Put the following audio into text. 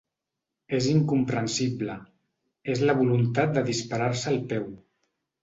És incomprensible, és la voluntat de disparar-se al peu.